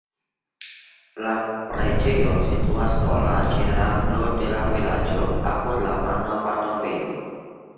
La preĝejo situas sola ĉe rando de la vilaĝo apud la malnova tombejo.